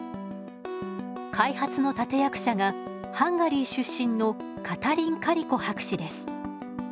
開発の立て役者がハンガリー出身のカタリン・カリコ博士です。